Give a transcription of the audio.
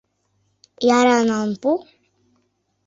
Яра налын пу!